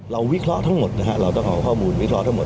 วิเคราะห์ทั้งหมดนะฮะเราต้องเอาข้อมูลวิเคราะห์ทั้งหมด